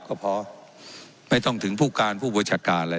เจ้าหน้าที่ของรัฐมันก็เป็นผู้ใต้มิชชาท่านนมตรี